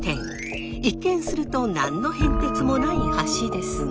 一見すると何の変哲もない橋ですが。